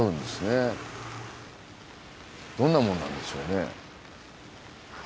どんなもんなんでしょうね。